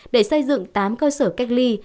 để xây dựng tám cơ sở cách ly